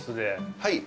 はい。